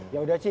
ya udah si